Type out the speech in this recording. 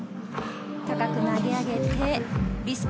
高く投げ上げてリスク。